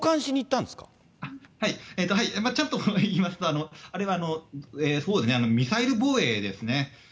ちょっと言いますと、あれはミサイル防衛ですね。